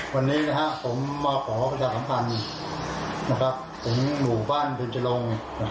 วันนี้นะครับผมมาขอกับผู้ชายสัมพันธ์ของหมู่บ้านเบรนจรง